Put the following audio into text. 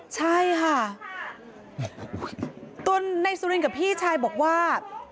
ใช่ค่ะตัวนายสุรินกับพี่ชายบอกว่า